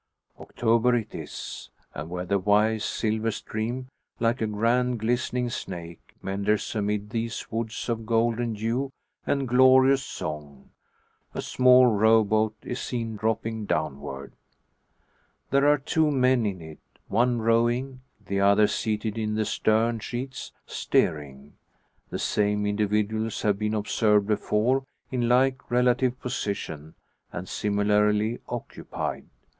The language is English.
October it is; and where the Wye's silver stream, like a grand glistening snake, meanders amid these woods of golden hue and glorious song, a small row boat is seen dropping downward. There are two men in it; one rowing, the other seated in the stern sheets, steering. The same individuals have been observed before in like relative position and similarly occupied.